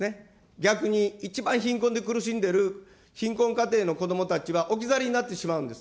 逆に一番貧困で苦しんでる貧困家庭のこどもたちは置き去りになってしまうんです。